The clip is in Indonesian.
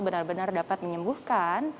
benar benar dapat menyembuhkan